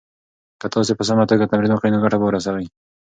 که تاسي په سمه توګه تمرین وکړئ نو ګټه به ورسوي.